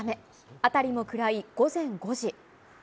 辺りも暗い午前５時。